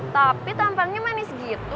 tapi tampaknya manis gitu